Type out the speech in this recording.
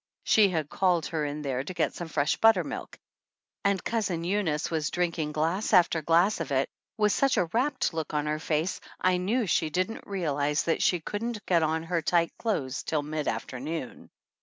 She had called her in there to get some fresh buttermilk, and Cousin Eunice was drinking glass after glass of it with such a rapt look on her face I knew she 15 THE ANNALS OF ANN didn't realize that she couldn't get on her tight clothes till mid afternoon.